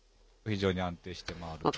非常に安定して回ると。